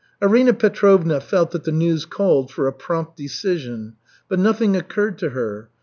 Arina Petrovna felt that the news called for a prompt decision, but nothing occurred to her.